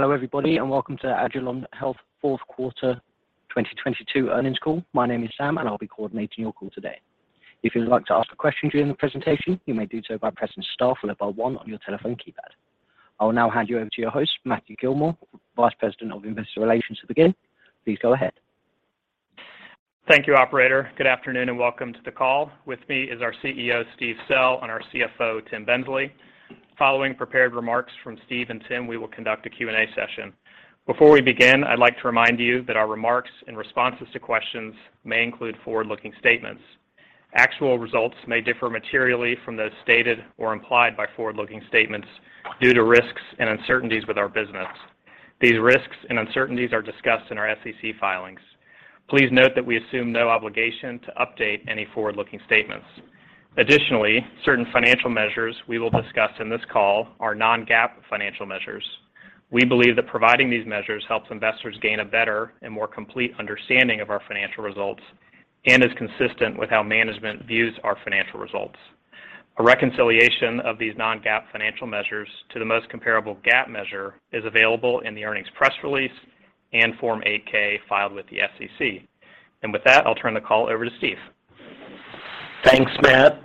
Hello, everybody, and welcome to the Agilon Health Fourth Quarter 2022 Earnings Call. My name is Sam, and I'll be coordinating your call today. If you'd like to ask a question during the presentation, you may do so by pressing star followed by one on your telephone keypad. I will now hand you over to your host, Matthew Gillmor, Vice President of Investor Relations, to begin. Please go ahead. Thank you, operator. Welcome to the call. With me is our CEO, Steve Sell, and our CFO, Tim Bensley. Following prepared remarks from Steve and Tim, we will conduct a Q&A session. Before we begin, I'd like to remind you that our remarks and responses to questions may include forward-looking statements. Actual results may differ materially from those stated or implied by forward-looking statements due to risks and uncertainties with our business. These risks and uncertainties are discussed in our SEC filings. Please note that we assume no obligation to update any forward-looking statements. Additionally, certain financial measures we will discuss in this call are non-GAAP financial measures. We believe that providing these measures helps investors gain a better and more complete understanding of our financial results and is consistent with how management views our financial results. A reconciliation of these non-GAAP financial measures to the most comparable GAAP measure is available in the earnings press release and Form 8-K filed with the SEC. With that, I'll turn the call over to Steve. Thanks, Matt.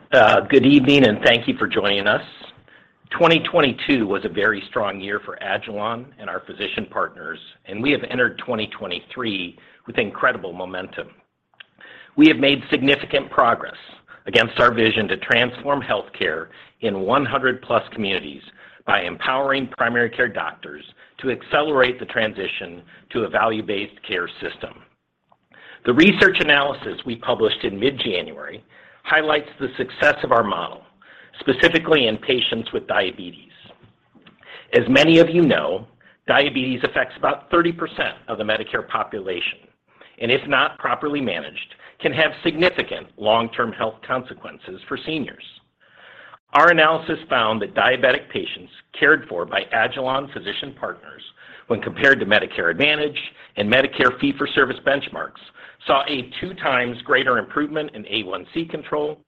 Good evening, and thank you for joining us. 2022 was a very strong year for agilon and our physician partners. We have entered 2023 with incredible momentum. We have made significant progress against our vision to transform healthcare in 100+ communities by empowering primary care doctors to accelerate the transition to a value-based care system. The research analysis we published in mid-January highlights the success of our model, specifically in patients with diabetes. Many of you know, diabetes affects about 30% of the Medicare population, and if not properly managed, can have significant long-term health consequences for seniors. Our analysis found that diabetic patients cared for by agilon physician partners when compared to Medicare Advantage and Medicare fee-for-service benchmarks, saw a 2x greater improvement in A1C control,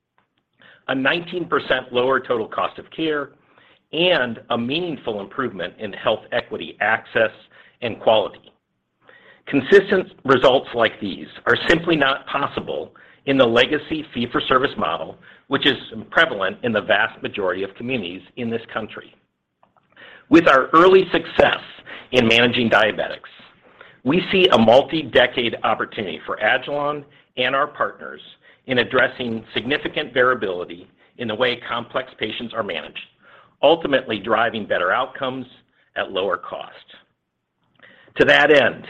a 19% lower total cost of care, and a meaningful improvement in health equity access and quality. Consistent results like these are simply not possible in the legacy fee-for-service model, which is prevalent in the vast majority of communities in this country. With our early success in managing diabetics, we see a multi-decade opportunity for agilon and our partners in addressing significant variability in the way complex patients are managed, ultimately driving better outcomes at lower cost. To that end,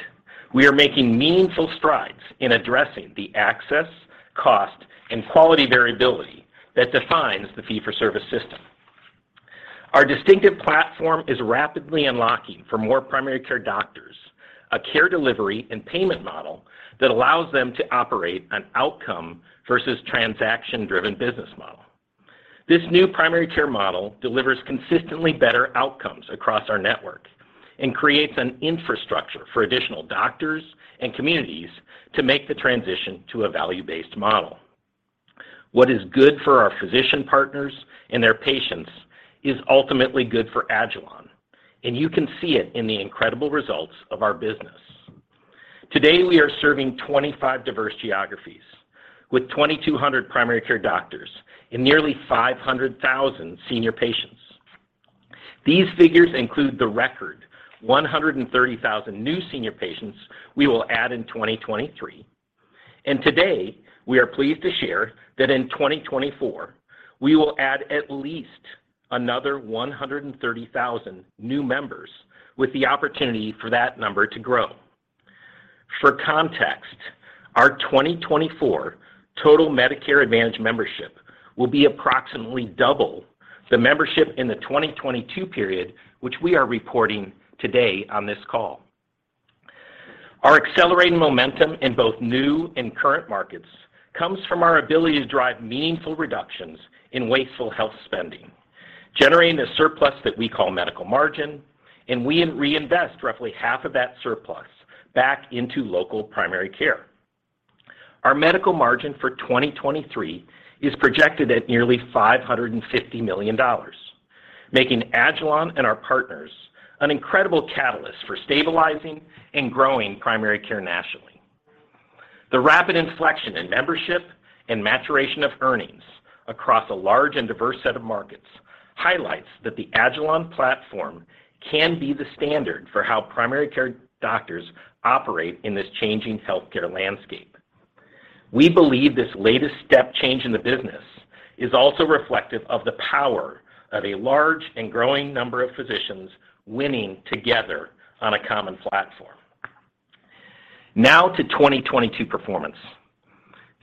we are making meaningful strides in addressing the access, cost, and quality variability that defines the fee-for-service system. Our distinctive platform is rapidly unlocking for more primary care doctors, a care delivery and payment model that allows them to operate an outcome versus transaction-driven business model. This new primary care model delivers consistently better outcomes across our network and creates an infrastructure for additional doctors and communities to make the transition to a value-based model. What is good for our physician partners and their patients is ultimately good for agilon, and you can see it in the incredible results of our business. Today, we are serving 25 diverse geographies with 2,200 primary care doctors and nearly 500,000 senior patients. These figures include the record 130,000 new senior patients we will add in 2023. Today, we are pleased to share that in 2024, we will add at least another 130,000 new members with the opportunity for that number to grow. For context, our 2024 total Medicare Advantage membership will be approximately double the membership in the 2022 period, which we are reporting today on this call. Our accelerating momentum in both new and current markets comes from our ability to drive meaningful reductions in wasteful health spending, generating a surplus that we call medical margin, and we reinvest roughly half of that surplus back into local primary care. Our medical margin for 2023 is projected at nearly $550 million, making agilon and our partners an incredible catalyst for stabilizing and growing primary care nationally. The rapid inflection in membership and maturation of earnings across a large and diverse set of markets highlights that the agilon platform can be the standard for how primary care doctors operate in this changing healthcare landscape. We believe this latest step change in the business is also reflective of the power of a large and growing number of physicians winning together on a common platform. Now to 2022 performance.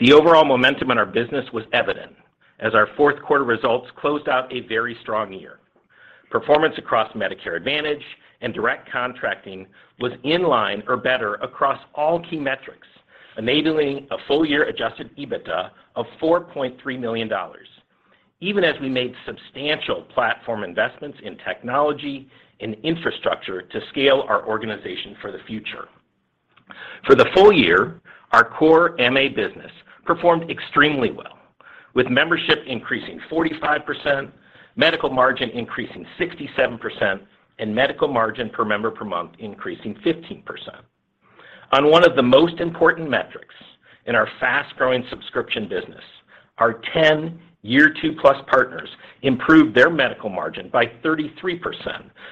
The overall momentum in our business was evident as our fourth quarter results closed out a very strong year. Performance across Medicare Advantage and direct contracting was in line or better across all key metrics, enabling a full year Adjusted EBITDA of $4.3 million, even as we made substantial platform investments in technology and infrastructure to scale our organization for the future. For the full year, our core MA business performed extremely well with membership increasing 45%, medical margin increasing 67%, and medical margin per member per month increasing 15%. On one of the most important metrics in our fast-growing subscription business, our 10-year two-plus partners improved their medical margin by 33%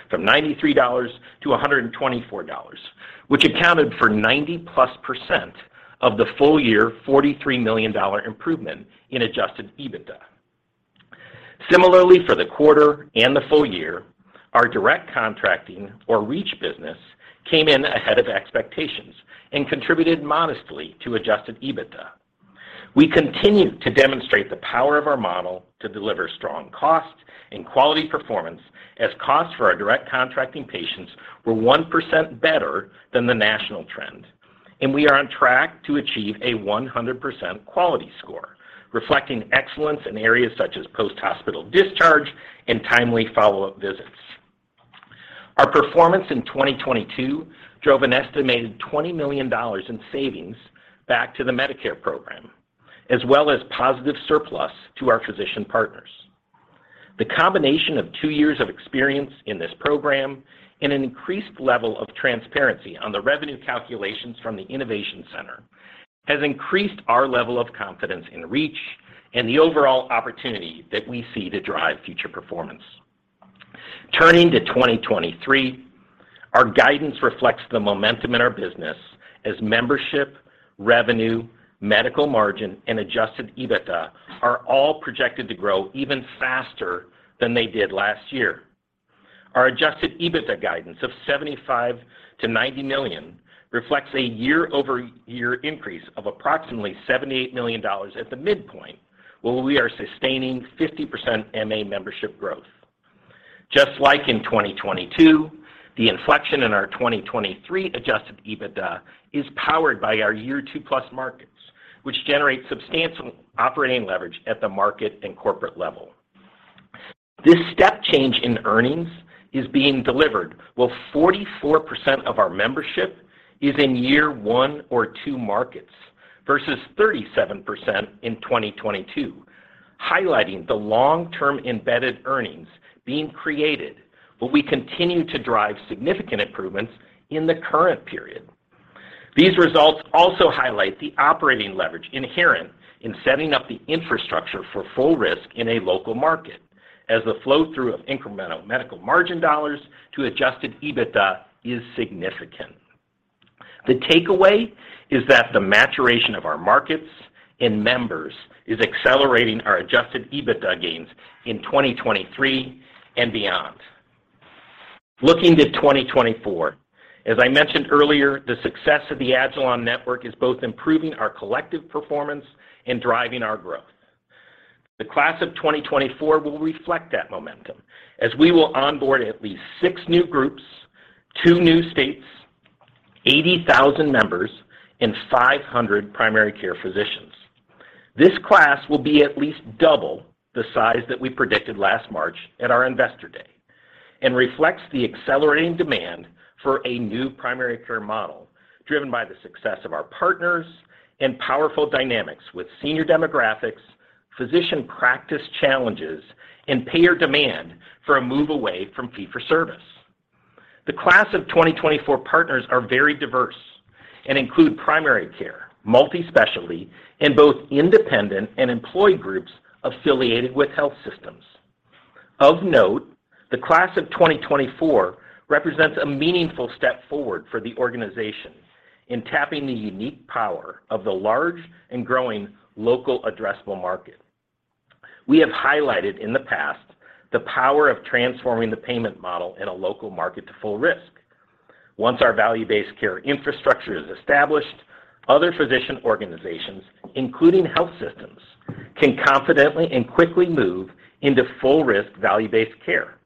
from $93 to $124, which accounted for 90-plus% of the full year $43 million improvement in Adjusted EBITDA. Similarly, for the quarter and the full year, our direct contracting or Reach business came in ahead of expectations and contributed modestly to Adjusted EBITDA. We continue to demonstrate the power of our model to deliver strong cost and quality performance as costs for our direct contracting patients were 1% better than the national trend, and we are on track to achieve a 100% quality score, reflecting excellence in areas such as post-hospital discharge and timely follow-up visits. Our performance in 2022 drove an estimated $20 million in savings back to the Medicare program, as well as positive surplus to our physician partners. The combination of two years of experience in this program and an increased level of transparency on the revenue calculations from the Innovation Center has increased our level of confidence in REACH and the overall opportunity that we see to drive future performance. Turning to 2023, our guidance reflects the momentum in our business as membership, revenue, medical margin, and Adjusted EBITDA are all projected to grow even faster than they did last year. Our Adjusted EBITDA guidance of $75 million-$90 million reflects a year-over-year increase of approximately $78 million at the midpoint, while we are sustaining 50% MA membership growth. Just like in 2022, the inflection in our 2023 Adjusted EBITDA is powered by our year two-plus markets, which generate substantial operating leverage at the market and corporate level. This step change in earnings is being delivered while 44% of our membership is in year one or two markets versus 37% in 2022, highlighting the long-term embedded earnings being created. We continue to drive significant improvements in the current period. These results also highlight the operating leverage inherent in setting up the infrastructure for full risk in a local market as the flow through of incremental medical margin dollars to Adjusted EBITDA is significant. The takeaway is that the maturation of our markets and members is accelerating our Adjusted EBITDA gains in 2023 and beyond. Looking to 2024, as I mentioned earlier, the success of the agilon network is both improving our collective performance and driving our growth. The class of 2024 will reflect that momentum as we will onboard at least six new groups, two new states, 80,000 members, and 500 primary care physicians. This class will be at least double the size that we predicted last March at our Investor Day and reflects the accelerating demand for a new primary care model driven by the success of our partners and powerful dynamics with senior demographics, physician practice challenges, and payer demand for a move away from fee-for-service. The class of 2024 partners are very diverse and include primary care, multi-specialty, and both independent and employee groups affiliated with health systems. Of note, the class of 2024 represents a meaningful step forward for the organization in tapping the unique power of the large and growing local addressable market. We have highlighted in the past the power of transforming the payment model in a local market to full risk. Once our value-based care infrastructure is established, other physician organizations, including health systems, can confidently and quickly move into full risk value-based care,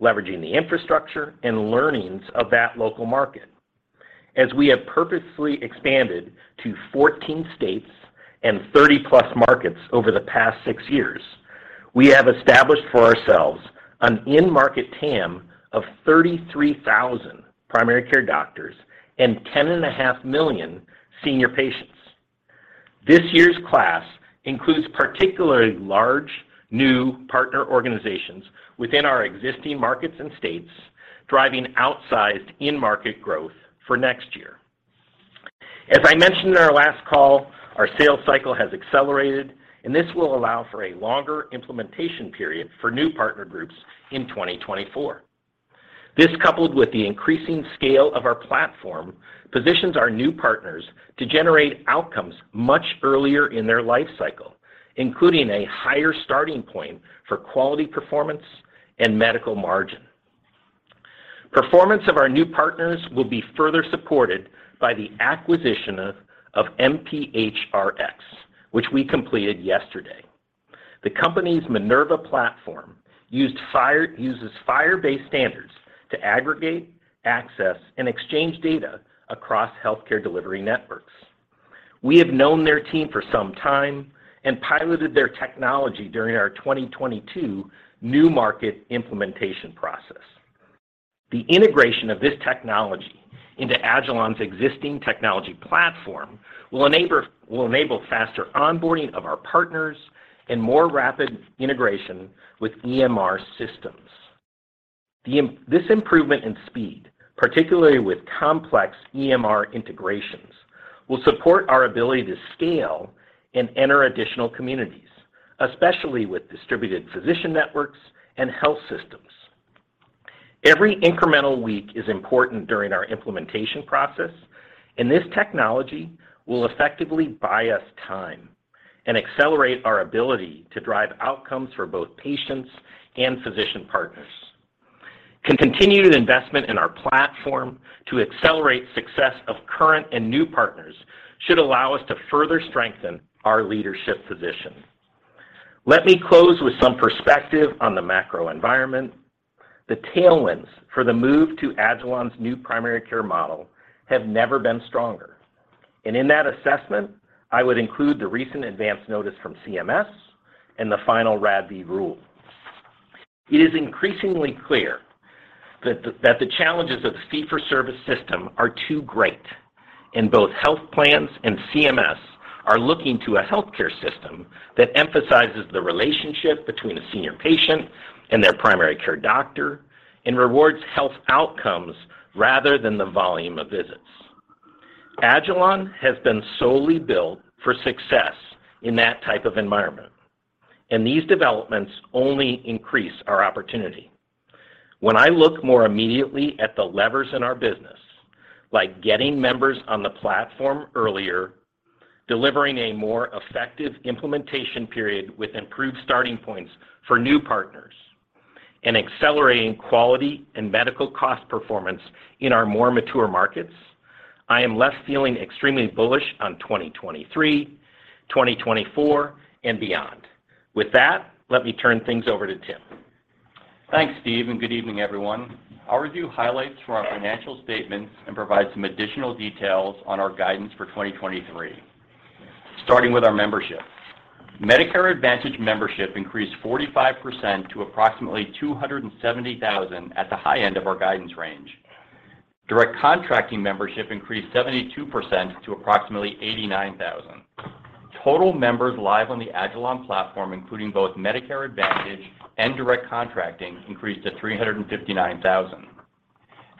leveraging the infrastructure and learnings of that local market. As we have purposefully expanded to 14 states and 30-plus markets over the past six years, we have established for ourselves an in-market TAM of 33,000 primary care doctors and 10.5 million senior patients. This year's class includes particularly large new partner organizations within our existing markets and states, driving outsized in-market growth for next year. As I mentioned in our last call, our sales cycle has accelerated, and this will allow for a longer implementation period for new partner groups in 2024. This, coupled with the increasing scale of our platform, positions our new partners to generate outcomes much earlier in their life cycle, including a higher starting point for quality performance and medical margin. Performance of our new partners will be further supported by the acquisition of mphrX, which we completed yesterday. The company's Minerva platform uses FHIR-based standards to aggregate, access, and exchange data across healthcare delivery networks. We have known their team for some time and piloted their technology during our 2022 new market implementation process. The integration of this technology into agilon's existing technology platform will enable faster onboarding of our partners and more rapid integration with EMR systems. This improvement in speed, particularly with complex EMR integrations, will support our ability to scale and enter additional communities, especially with distributed physician networks and health systems. Every incremental week is important during our implementation process, and this technology will effectively buy us time and accelerate our ability to drive outcomes for both patients and physician partners. Continued investment in our platform to accelerate success of current and new partners should allow us to further strengthen our leadership position. Let me close with some perspective on the macro environment. The tailwinds for the move to agilon's new primary care model have never been stronger. In that assessment, I would include the recent Advance Notice from CMS and the final RADV rule. It is increasingly clear that the challenges of the fee-for-service system are too great, and both health plans and CMS are looking to a healthcare system that emphasizes the relationship between a senior patient and their primary care doctor and rewards health outcomes rather than the volume of visits. agilon has been solely built for success in that type of environment, and these developments only increase our opportunity. When I look more immediately at the levers in our business, like getting members on the platform earlier, delivering a more effective implementation period with improved starting points for new partners, and accelerating quality and medical cost performance in our more mature markets, I am less feeling extremely bullish on 2023, 2024, and beyond. With that, let me turn things over to Tim. Thanks, Steve, and good evening, everyone. I'll review highlights from our financial statements and provide some additional details on our guidance for 2023. Starting with our membership. Medicare Advantage membership increased 45% to approximately 270,000 at the high end of our guidance range. direct contracting membership increased 72% to approximately 89,000. Total members live on the agilon platform, including both Medicare Advantage and direct contracting, increased to 359,000.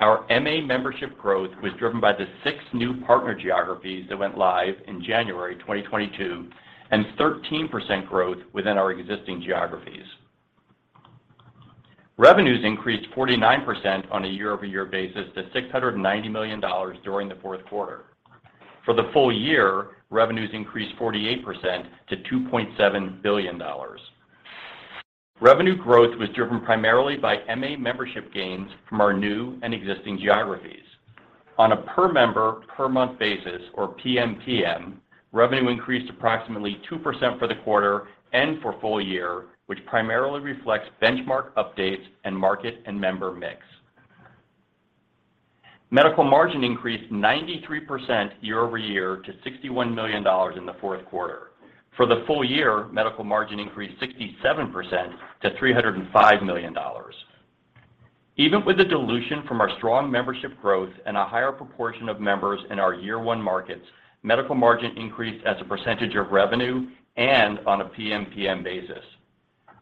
Our MA membership growth was driven by the six new partner geographies that went live in January 2022 and 13% growth within our existing geographies. Revenues increased 49% on a year-over-year basis to $690 million during the fourth quarter. For the full year, revenues increased 48% to $2.7 billion. Revenue growth was driven primarily by MA membership gains from our new and existing geographies. On a per member per month basis, or PMPM, revenue increased approximately 2% for the quarter and for full year, which primarily reflects benchmark updates and market and member mix. Medical margin increased 93% year-over-year to $61 million in the fourth quarter. For the full year, medical margin increased 67% to $305 million. Even with the dilution from our strong membership growth and a higher proportion of members in our year-one markets, medical margin increased as a percentage of revenue and on a PMPM basis.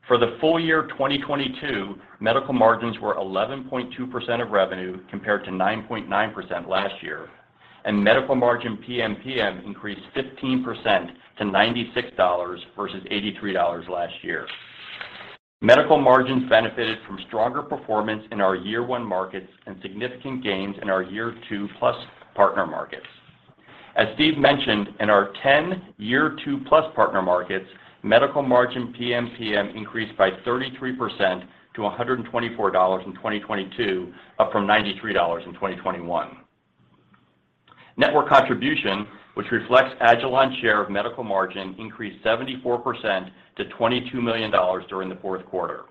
For the full year 2022, medical margins were 11.2% of revenue compared to 9.9% last year, and medical margin PMPM increased 15% to $96 versus $83 last year. Medical margins benefited from stronger performance in our year-one markets and significant gains in our year-two-plus partner markets. As Steve mentioned, in our 10 year-two-plus partner markets, medical margin PMPM increased by 33% to $124 in 2022, up from $93 in 2021. Network contribution, which reflects agilon's share of medical margin, increased 74% to $22 million during the fourth quarter.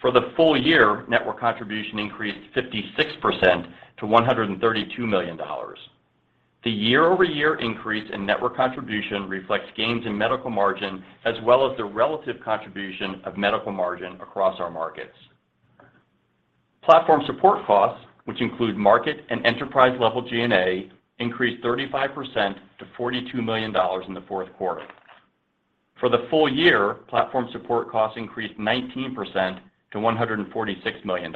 For the full year, network contribution increased 56% to $132 million. The year-over-year increase in network contribution reflects gains in medical margin, as well as the relative contribution of medical margin across our markets. Platform support costs, which include market and enterprise-level G&A, increased 35% to $42 million in the fourth quarter. For the full year, platform support costs increased 19% to $146 million.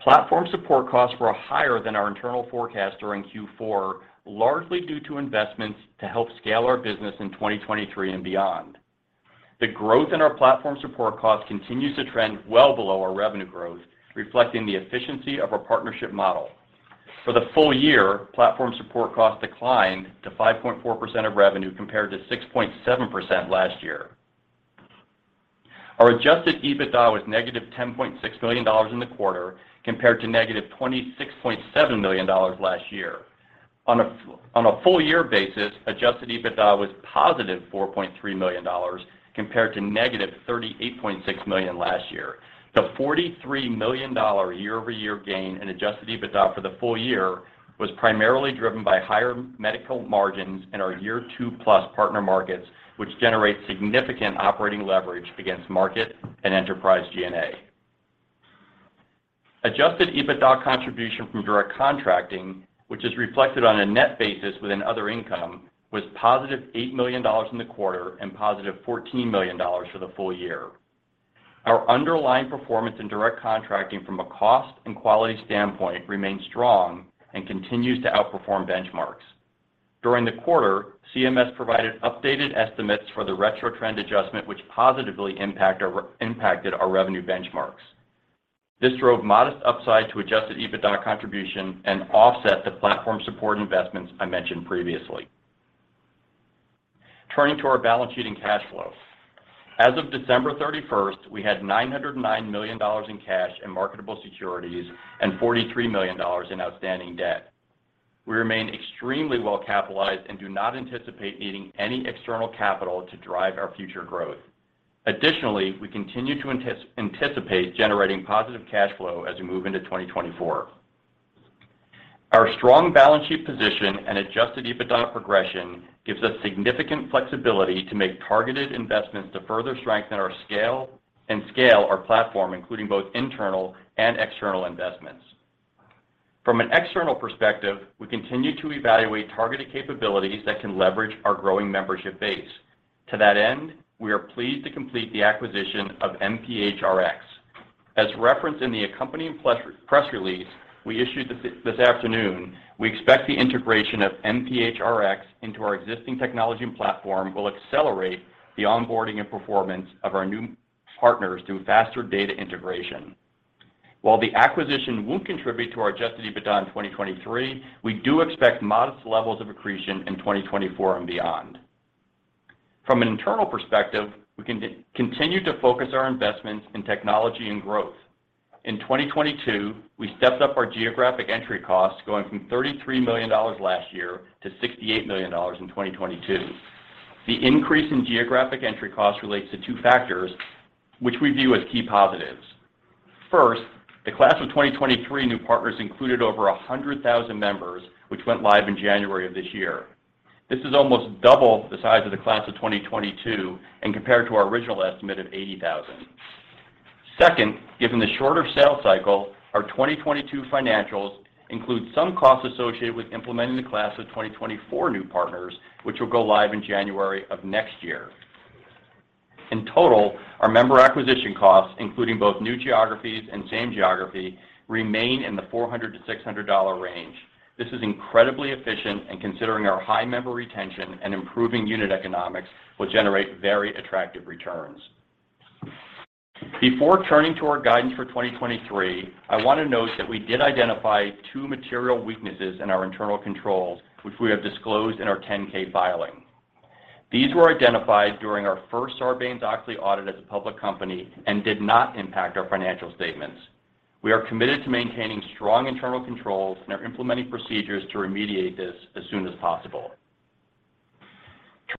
Platform support costs were higher than our internal forecast during Q4, largely due to investments to help scale our business in 2023 and beyond. The growth in our platform support costs continues to trend well below our revenue growth, reflecting the efficiency of our partnership model. For the full year, platform support costs declined to 5.4% of revenue compared to 6.7% last year. Our Adjusted EBITDA was negative $10.6 million in the quarter compared to negative $26.7 million last year. On a full year basis, Adjusted EBITDA was positive $4.3 million compared to negative $38.6 million last year. The $43 million year-over-year gain in Adjusted EBITDA for the full year was primarily driven by higher medical margins in our year two-plus partner markets, which generate significant operating leverage against market and enterprise G&A. Adjusted EBITDA contribution from direct contracting, which is reflected on a net basis within other income, was positive $8 million in the quarter and positive $14 million for the full year. Our underlying performance in direct contracting from a cost and quality standpoint remains strong and continues to outperform benchmarks. During the quarter, CMS provided updated estimates for the retro trend adjustment which positively impacted our revenue benchmarks. This drove modest upside to Adjusted EBITDA contribution and offset the platform support investments I mentioned previously. Turning to our balance sheet and cash flow. As of December 31st, we had $909 million in cash and marketable securities and $43 million in outstanding debt. We remain extremely well capitalized and do not anticipate needing any external capital to drive our future growth. We continue to anticipate generating positive cash flow as we move into 2024. Our strong balance sheet position and Adjusted EBITDA progression gives us significant flexibility to make targeted investments to further strengthen and scale our platform, including both internal and external investments. From an external perspective, we continue to evaluate targeted capabilities that can leverage our growing membership base. To that end, we are pleased to complete the acquisition of mphrX. As referenced in the accompanying press release we issued this afternoon, we expect the integration of mphrX into our existing technology and platform will accelerate the onboarding and performance of our new partners through faster data integration. While the acquisition won't contribute to our Adjusted EBITDA in 2023, we do expect modest levels of accretion in 2024 and beyond. From an internal perspective, we continue to focus our investments in technology and growth. In 2022, we stepped up our geographic entry costs, going from $33 million last year to $68 million in 2022. The increase in geographic entry costs relates to two factors, which we view as key positives. First, the class of 2023 new partners included over 100,000 members, which went live in January of this year. This is almost double the size of the class of 2022 and compared to our original estimate of 80,000. Second, given the shorter sales cycle, our 2022 financials include some costs associated with implementing the class of 2024 new partners, which will go live in January of next year. In total, our member acquisition costs, including both new geographies and same geography, remain in the $400-$600 range. This is incredibly efficient and considering our high member retention and improving unit economics will generate very attractive returns. Before turning to our guidance for 2023, I want to note that we did identify two material weaknesses in our internal controls, which we have disclosed in our 10-K filing. These were identified during our first Sarbanes-Oxley audit as a public company and did not impact our financial statements. We are committed to maintaining strong internal controls and are implementing procedures to remediate this as soon as possible.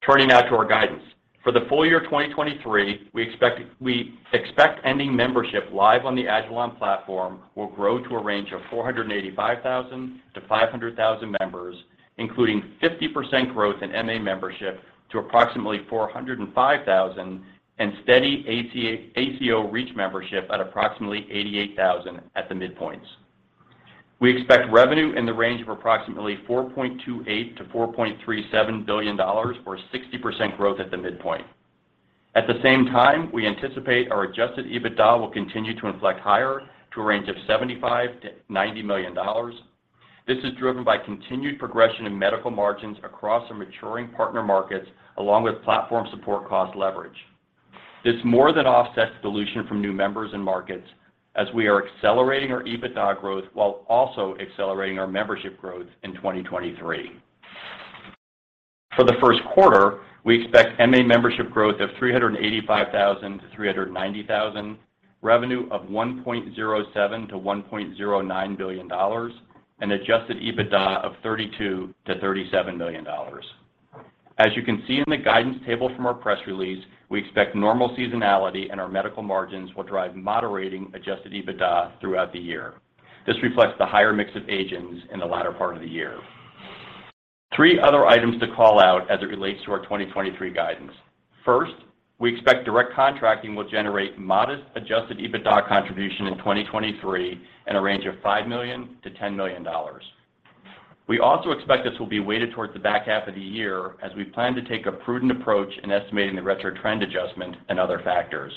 Turning now to our guidance. For the full year 2023, we expect ending membership live on the agilon platform will grow to a range of 485,000-500,000 members, including 50% growth in MA membership to approximately 405,000 and steady ACO REACH membership at approximately 88,000 at the midpoints. We expect revenue in the range of approximately $4.28 billion-$4.37 billion or 60% growth at the midpoint. At the same time, we anticipate our Adjusted EBITDA will continue to inflect higher to a range of $75 million-$90 million. This is driven by continued progression in medical margins across our maturing partner markets, along with platform support cost leverage. This more than offsets dilution from new members and markets as we are accelerating our EBITDA growth while also accelerating our membership growth in 2023. For the first quarter, we expect MA membership growth of 385,000-390,000, revenue of $1.07 billion-$1.09 billion, and Adjusted EBITDA of $32 million-$37 million. As you can see in the guidance table from our press release, we expect normal seasonality and our medical margins will drive moderating Adjusted EBITDA throughout the year. This reflects the higher mix of agents in the latter part of the year. Three other items to call out as it relates to our 2023 guidance. First, we expect direct contracting will generate modest Adjusted EBITDA contribution in 2023 in a range of $5 million-$10 million. We also expect this will be weighted towards the back half of the year as we plan to take a prudent approach in estimating the retro trend adjustment and other factors.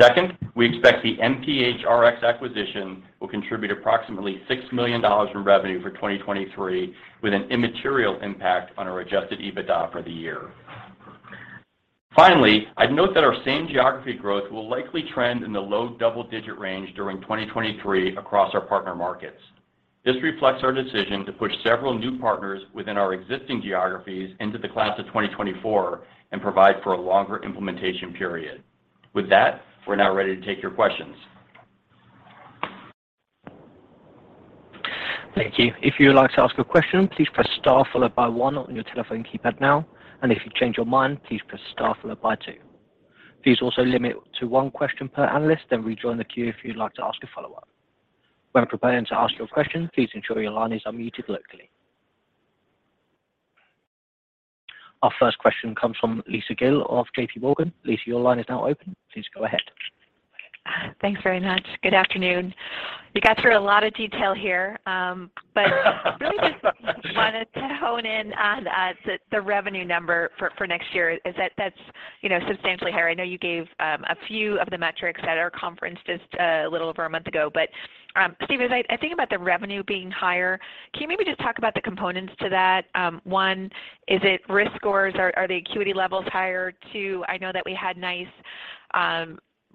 Second, we expect the mphrX acquisition will contribute approximately $6 million in revenue for 2023, with an immaterial impact on our Adjusted EBITDA for the year. Finally, I'd note that our same geography growth will likely trend in the low double-digit range during 2023 across our partner markets. This reflects our decision to push several new partners within our existing geographies into the class of 2024 and provide for a longer implementation period. With that, we're now ready to take your questions. Thank you. If you would like to ask a question, please press star followed by one on your telephone keypad now. And if you change your mind, please press star followed by two. Please also limit to one question per analyst, then rejoin the queue if you'd like to ask a follow-up. When preparing to ask your question, please ensure your line is unmuted locally. Our first question comes from Lisa Gill of JPMorgan. Lisa, your line is now open. Please go ahead. Thanks very much. Good afternoon. You got through a lot of detail here, really just wanted to hone in on the revenue number for next year that's, you know, substantially higher. I know you gave a few of the metrics at our conference just a little over a month ago. Steve, as I think about the revenue being higher, can you maybe just talk about the components to that? One, is it risk scores? Are the acuity levels higher? Two, I know that we had nice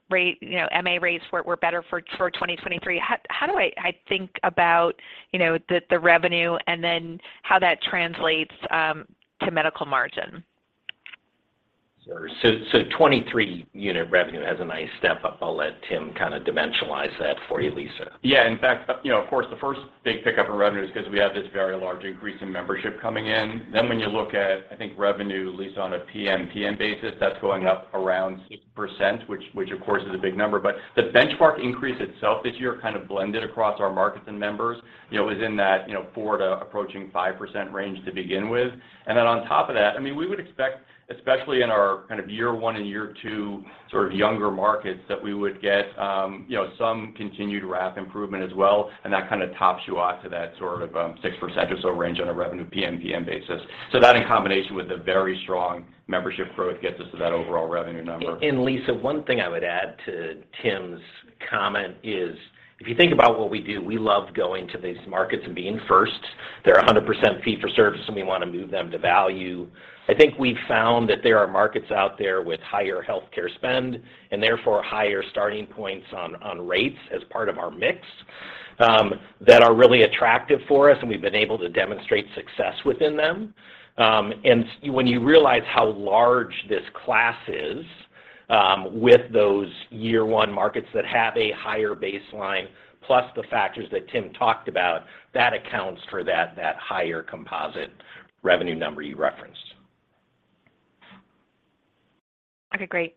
rate, you know, MA rates were better for 2023. How do I think about, you know, the revenue and then how that translates to medical margin? Sure. 23 unit revenue has a nice step up. I'll let Tim kind of dimensionalize that for you, Lisa. In fact, you know, of course, the first big pickup in revenue is 'cause we have this very large increase in membership coming in. When you look at, I think revenue, Lisa, on a PMPM basis, that's going up around 6%, which of course is a big number. The benchmark increase itself this year kind of blended across our markets and members, you know, is in that, you know, 4% to approaching 5% range to begin with. On top of that, I mean, we would expect, especially in our kind of year one and year two sort of younger markets, that we would get, you know, some continued RAF improvement as well, and that kind of tops you off to that sort of, 6% or so range on a revenue PMPM basis. That in combination with the very strong membership growth gets us to that overall revenue number. Lisa, one thing I would add to Tim's comment is, if you think about what we do, we love going to these markets and being first. They're 100% fee-for-service, and we wanna move them to value. I think we've found that there are markets out there with higher healthcare spend, and therefore higher starting points on rates as part of our mix, that are really attractive for us, and we've been able to demonstrate success within them. When you realize how large this class is, with those year one markets that have a higher baseline plus the factors that Tim talked about, that accounts for that higher composite revenue number you referenced. Okay. Great.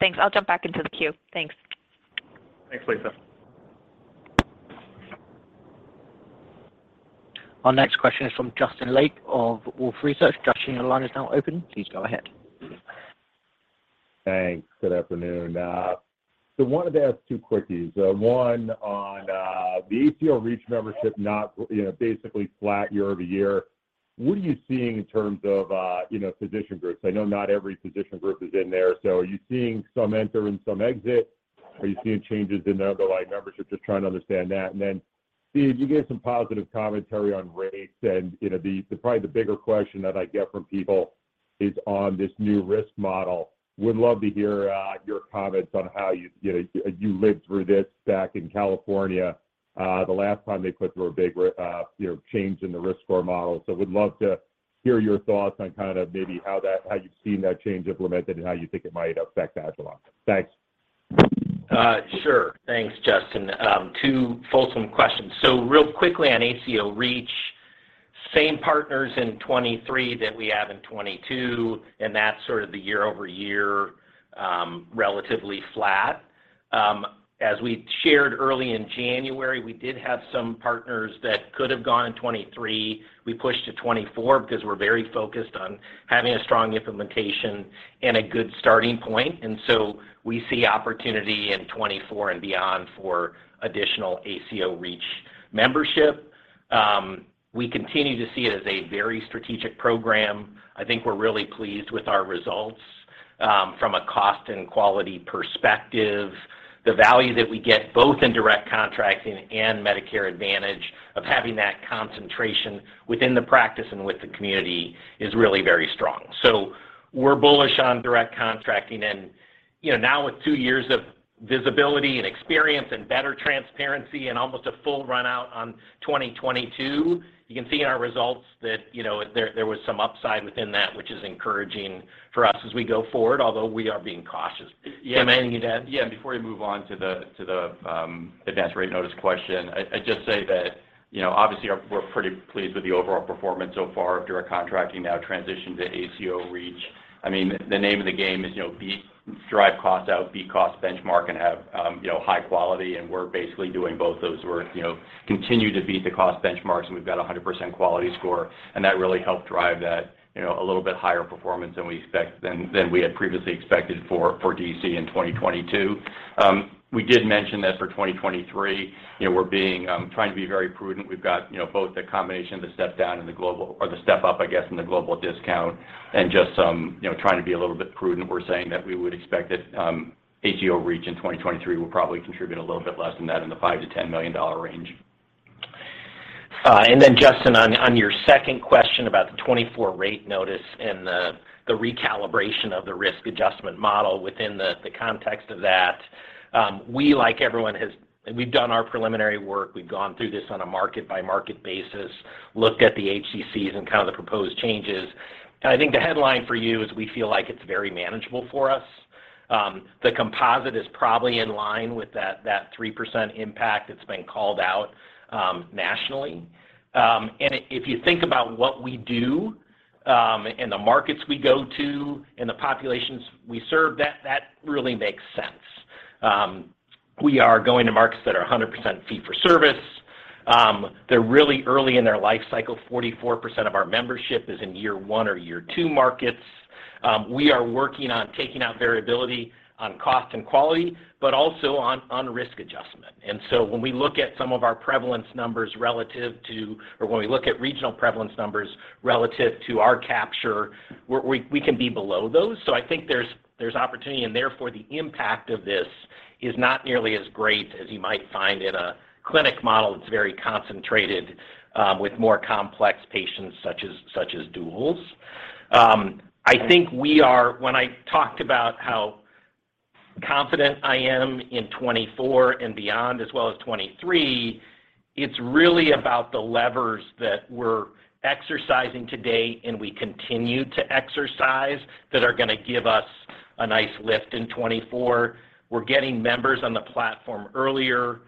Thanks. I'll jump back into the queue. Thanks. Thanks, Lisa. Our next question is from Justin Lake of Wolfe Research. Justin, your line is now open. Please go ahead. Thanks. Good afternoon. Wanted to ask two quickies. one on, the ACO REACH membership, not, you know, basically flat year-over-year. What are you seeing in terms of, you know, physician groups? I know not every physician group is in there, so are you seeing some enter and some exit? Are you seeing changes in the underlying membership? Just trying to understand that. Steve, you gave some positive commentary on rates, and you know, probably the bigger question that I get from people is on this new risk model. Would love to hear, your comments on how you know, you lived through this back in California, the last time they put through a big, you know, change in the risk score model. Would love to hear your thoughts on kind of maybe how you've seen that change implemented and how you think it might affect agilon. Thanks. Sure. Thanks, Justin. Two fulsome questions. Real quickly on ACO REACH, same partners in 23 that we have in 22, and that's sort of the year-over-year, relatively flat. As we shared early in January, we did have some partners that could have gone in 23. We pushed to 24 because we're very focused on having a strong implementation and a good starting point. We see opportunity in 24 and beyond for additional ACO REACH membership. We continue to see it as a very strategic program. I think we're really pleased with our results, from a cost and quality perspective. The value that we get both in direct contracting and Medicare Advantage of having that concentration within the practice and with the community is really very strong. We're bullish on direct contracting and, you know, now with two years of visibility and experience and better transparency and almost a full run out on 2022, you can see in our results that, you know, there was some upside within that, which is encouraging for us as we go forward, although we are being cautious. Tim, anything you'd add? Before we move on to the advanced rate notice question, I'd just say that, you know, obviously we're pretty pleased with the overall performance so far of direct contracting now transitioned to ACO REACH. I mean, the name of the game is, you know, drive costs out, beat cost benchmark, and have, you know, high quality, and we're basically doing both those. We're, you know, continue to beat the cost benchmarks, and we've got 100% quality score, and that really helped drive that, you know, a little bit higher performance than we had previously expected for DC in 2022. We did mention that for 2023, you know, we're being, trying to be very prudent. We've got, you know, both the combination, the step down in the global or the step up, I guess, in the global blend and just some, you know, trying to be a little bit prudent. We're saying that we would expect that ACO REACH in 2023 will probably contribute a little bit less than that in the $5 million-$10 million range. Then Justin, on your second question about the 2024 rate notice and the recalibration of the risk adjustment model within the context of that, we, like everyone, we've done our preliminary work. We've gone through this on a market by market basis, looked at the HCCs and kind of the proposed changes. I think the headline for you is we feel like it's very manageable for us. The composite is probably in line with that 3% impact that's been called out nationally. If you think about what we do, and the markets we go to and the populations we serve, that really makes sense. We are going to markets that are 100% fee-for-service. They're really early in their life cycle. 44% of our membership is in year one or year two markets. We are working on taking out variability on cost and quality, but also on risk adjustment. When we look at some of our prevalence numbers relative to, or when we look at regional prevalence numbers relative to our capture, we can be below those. I think there's opportunity, and therefore, the impact of this is not nearly as great as you might find in a clinic model that's very concentrated, with more complex patients such as duals. I think we are. When I talked about how confident I am in 2024 and beyond, as well as 2023, it's really about the levers that we're exercising today and we continue to exercise that are gonna give us a nice lift in 2024. We're getting members on the platform earlier.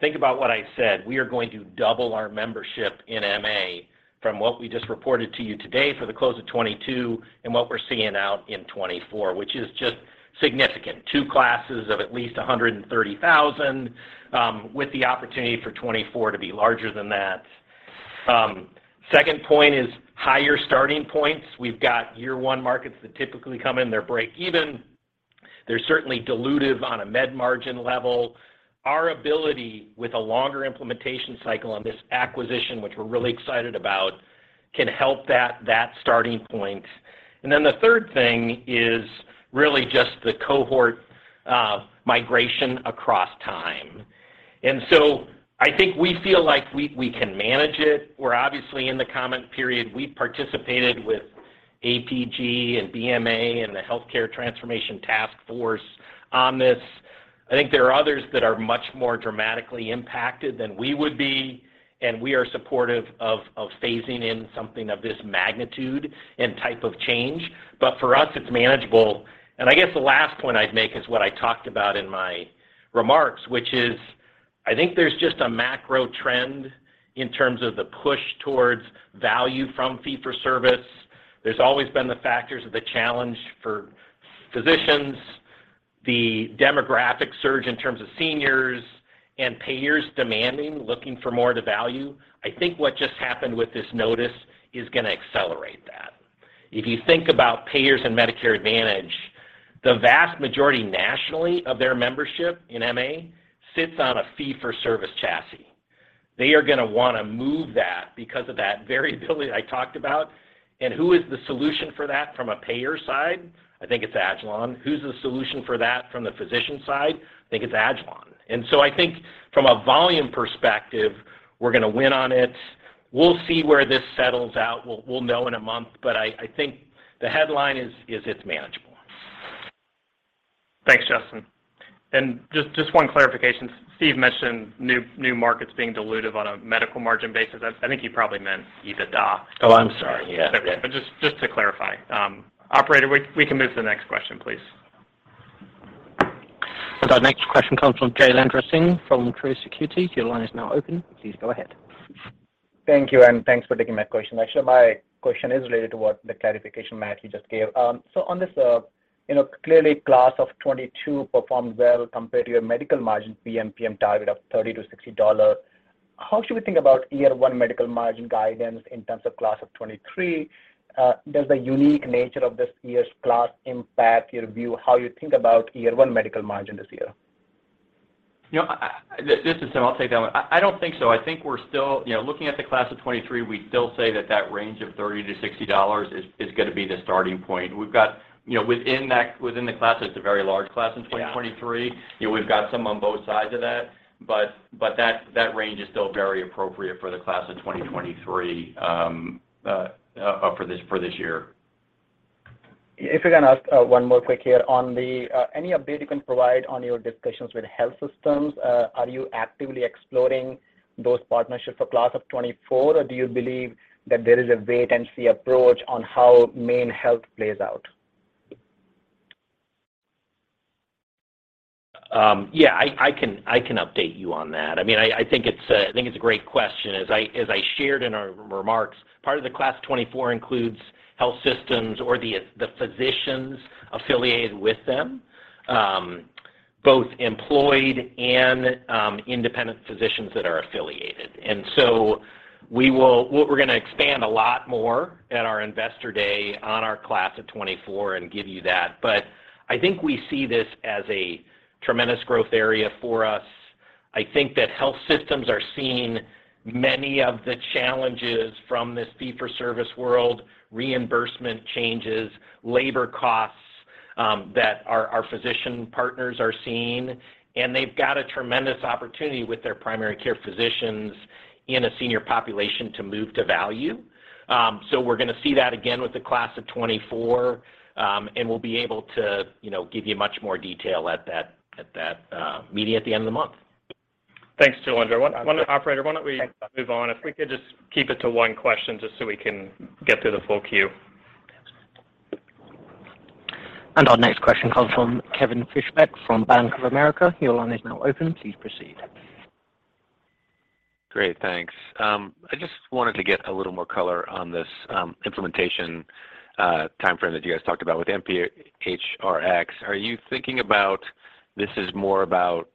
Think about what I said. We are going to double our membership in MA from what we just reported to you today for the close of 2022 and what we're seeing out in 2024, which is just significant. Two classes of at least 130,000 with the opportunity for 2024 to be larger than that. Second point is higher starting points. We've got year one markets that typically come in, they're breakeven. They're certainly dilutive on a med margin level. Our ability with a longer implementation cycle on this acquisition, which we're really excited about, can help that starting point. The third thing is really just the cohort migration across time. I think we feel like we can manage it. We're obviously in the comment period. We participated with APG and BMA and the Healthcare Transformation Task Force on this. I think there are others that are much more dramatically impacted than we would be, and we are supportive of phasing in something of this magnitude and type of change. For us, it's manageable. I guess the last point I'd make is what I talked about in my remarks, which is I think there's just a macro trend in terms of the push towards value from fee for service. There's always been the factors of the challenge for physicians, the demographic surge in terms of seniors and payers demanding, looking for more to value. I think what just happened with this notice is gonna accelerate that. If you think about payers and Medicare Advantage, the vast majority nationally of their membership in MA sits on a fee for service chassis. They are gonna wanna move that because of that variability I talked about. Who is the solution for that from a payer side? I think it's agilon. Who's the solution for that from the physician side? I think it's agilon. I think from a volume perspective, we're gonna win on it. We'll see where this settles out. We'll know in a month. I think the headline is it's manageable. Thanks, Justin. Just one clarification. Steve mentioned new markets being dilutive on a medical margin basis. I think he probably meant EBITDA. Oh, I'm sorry. Yeah. just to clarify. Operator, we can move to the next question, please. Our next question comes from Jailendra Singh from Truist Securities. Your line is now open. Please go ahead. Thank you. Thanks for taking my question. Actually, my question is related to what the clarification Matthew you just gave. You know, clearly class of 2022 performed well compared to your medical margin PMPM target of $30-$60. How should we think about year one medical margin guidance in terms of class of 2023? Does the unique nature of this year's class impact your view, how you think about year one medical margin this year? You know, I, This is Tim. I'll take that one. I don't think so. I think we're still, you know, looking at the class of 2023, we still say that that range of $30-$60 is gonna be the starting point. We've got, you know, within that, within the class, it's a very large class in 2023. Yeah. You know, we've got some on both sides of that. That range is still very appropriate for the class of 2023 for this year. If I can ask, one more quick here. On the, any update you can provide on your discussions with health systems? Are you actively exploring those partnerships for class of 2024, or do you believe that there is a wait-and-see approach on how MaineHealth plays out? Yeah, I can update you on that. I mean, I think it's a great question. As I shared in our remarks, part of the class 2024 includes health systems or the physicians affiliated with them, both employed and independent physicians that are affiliated. What we're gonna expand a lot more at our Investor Day on our class of 2024 and give you that. I think we see this as a tremendous growth area for us. I think that health systems are seeing many of the challenges from this fee-for-service world, reimbursement changes, labor costs, that our physician partners are seeing, and they've got a tremendous opportunity with their primary care physicians in a senior population to move to value. We're going to see that again with the class of 2024, and we'll be able to, you know, give you much more detail at that, at that, meeting at the end of the month. Thanks, Jailendra. Operator, why don't we move on? If we could just keep it to one question just so we can get through the full queue. Our next question comes from Kevin Fischbeck from Bank of America. Your line is now open. Please proceed. Great, thanks. I just wanted to get a little more color on this implementation timeframe that you guys talked about with mphrX. Are you thinking about this is more about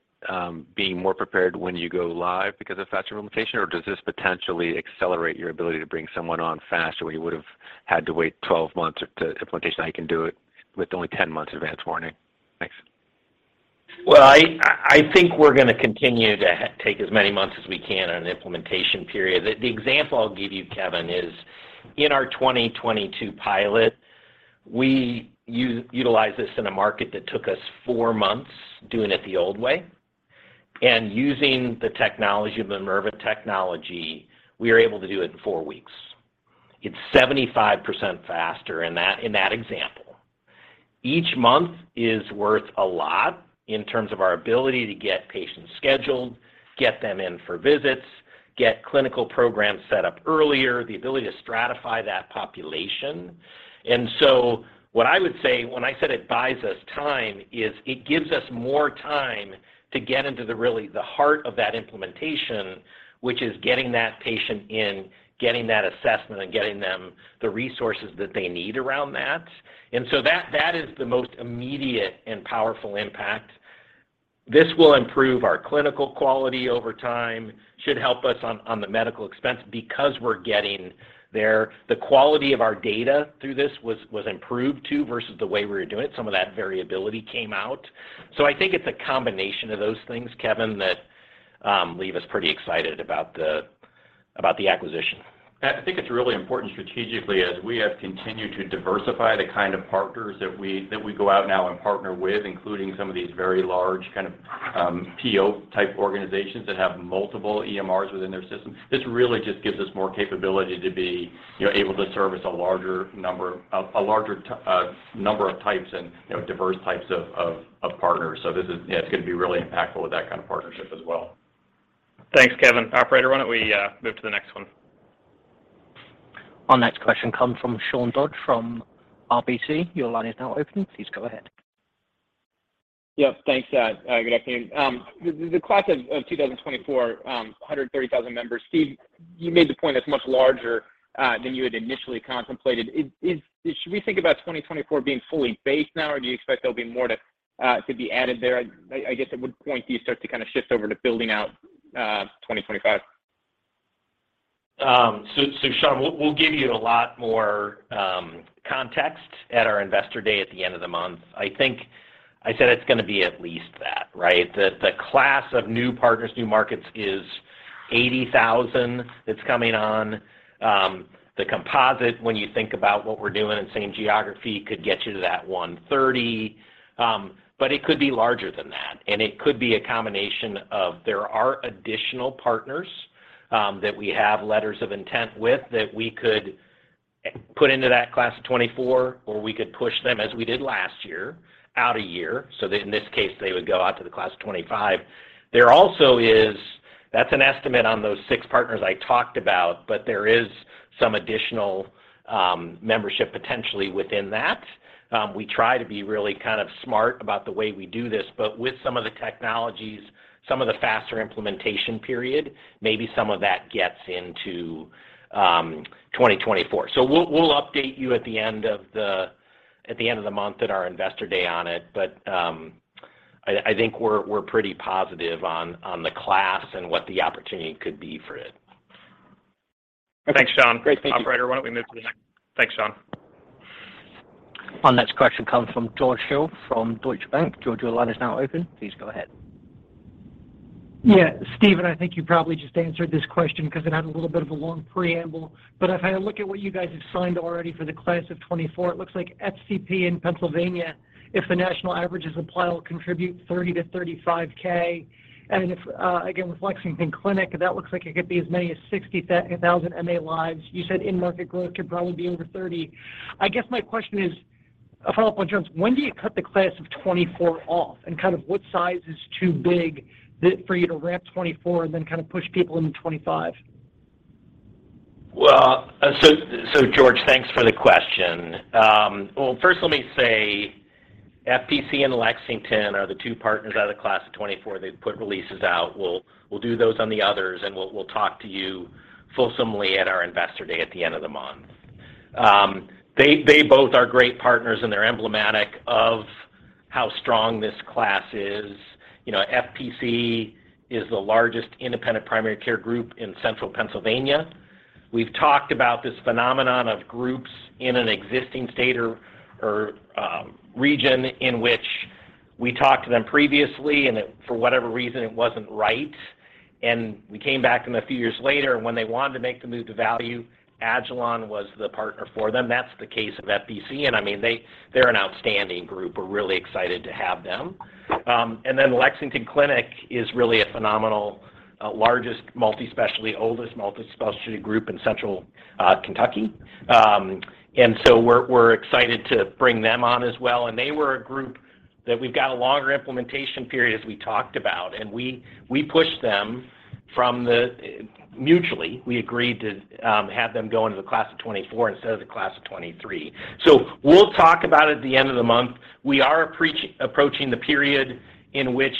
being more prepared when you go live because of faster implementation, or does this potentially accelerate your ability to bring someone on faster, where you would have had to wait 12 months to implementation, now you can do it with only 10 months advance warning? Thanks. Well, I think we're gonna continue to take as many months as we can on an implementation period. The example I'll give you, Kevin, is in our 2022 pilot, we utilized this in a market that took us four months doing it the old way. Using the technology, the Minerva technology, we were able to do it in four weeks. It's 75% faster in that example. Each month is worth a lot in terms of our ability to get patients scheduled, get them in for visits, get clinical programs set up earlier, the ability to stratify that population. What I would say when I said it buys us time, is it gives us more time to get into the heart of that implementation, which is getting that patient in, getting that assessment, and getting them the resources that they need around that. That is the most immediate and powerful impact. This will improve our clinical quality over time, should help us on the medical expense because we're getting there. The quality of our data through this was improved too versus the way we were doing it. Some of that variability came out. I think it's a combination of those things, Kevin, that leave us pretty excited about the acquisition. I think it's really important strategically as we have continued to diversify the kind of partners that we, that we go out now and partner with, including some of these very large kind of PO-type organizations that have multiple EMRs within their system. This really just gives us more capability to be, you know, able to service a larger number of types and, you know, diverse types of partners. This is, yeah, it's gonna be really impactful with that kind of partnership as well. Thanks, Kevin. Operator, why don't we move to the next one? Our next question comes from Sean Dodge from RBC. Your line is now open. Please go ahead. Yep. Thanks. Good afternoon. The class of 2024, 130,000 members. Steve, you made the point that's much larger than you had initially contemplated. Should we think about 2024 being fully based now or do you expect there'll be more to be added there? I guess at what point do you start to kinda shift over to building out 2025? Sean, we'll give you a lot more context at our Investor Day at the end of the month. I think I said it's gonna be at least that, right? The class of new partners, new markets is 80,000 that's coming on. The composite, when you think about what we're doing in the same geography, could get you to that 130. It could be larger than that and it could be a combination of there are additional partners that we have letters of intent with that we could put into that class of 24 or we could push them as we did last year, out a year, so that in this case, they would go out to the class of 25. There also that's an estimate on those six partners I talked about, but there is some additional membership potentially within that. We try to be really kind of smart about the way we do this. With some of the technologies, some of the faster implementation period, maybe some of that gets into 2024. We'll, we'll update you at the end of the, at the end of the month at our Investor Day on it. I think we're pretty positive on the class and what the opportunity could be for it. Thanks, Sean. Great. Thank you. Operator, thanks, Sean. Our next question comes from George Hill from Deutsche Bank. George, your line is now open. Please go ahead. Yeah. Steve, I think you probably just answered this question 'cause it had a little bit of a long preamble, but if I look at what you guys have signed already for the class of 2024, it looks like FPC in Pennsylvania, if the national averages apply, will contribute $30,000-$35,000. If again, with Lexington Clinic, that looks like it could be as many as 60,000 MA lives. You said in-market growth could probably be over 30. I guess my question is, a follow-up on George, when do you cut the class of 2024 off, and kind of what size is too big that for you to ramp 2024 and then kinda push people into 2025? George, thanks for the question. First let me say FPC and Lexington are the two partners out of the class of 24. They've put releases out. We'll, we'll do those on the others, and we'll talk to you fulsomely at our Investor Day at the end of the month. They both are great partners, and they're emblematic of how strong this class is. You know, FPC is the largest independent primary care group in Central Pennsylvania. We've talked about this phenomenon of groups in an existing state or region in which we talked to them previously, and it, for whatever reason, it wasn't right. We came back to them a few years later, and when they wanted to make the move to value, agilon was the partner for them. That's the case of FPC, and I mean, they're an outstanding group. We're really excited to have them. Lexington Clinic is really a phenomenal, largest multi-specialty, oldest multi-specialty group in Central Kentucky. We're excited to bring them on as well. They were a group We've got a longer implementation period as we talked about, and we pushed them from the mutually, we agreed to have them go into the class of 2024 instead of the class of 2023. We'll talk about it at the end of the month. We are approaching the period in which